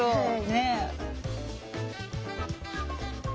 ねえ。